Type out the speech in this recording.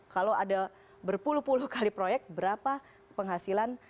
kalau ada berpuluh puluh kali proyek berapa penghasilan